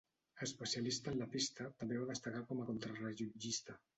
Especialista en la pista també va destacar com a contrarellotgista.